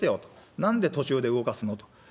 なんで途中で動かすのと。